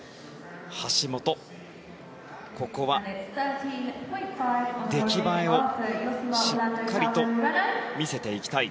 橋本、ここは出来栄えをしっかりと見せていきたい。